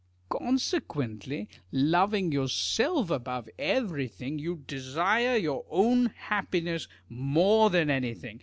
Consequently, loving yourself above everytliing, you desire your own happiness more than anything.